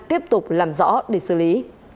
tiếp tục làm rõ để xử lý